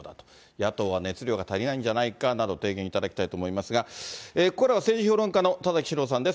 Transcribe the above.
野党は熱量が足りないんじゃないか、提言いただきたいと思いますが、ここからは政治評論家の田崎史郎さんです。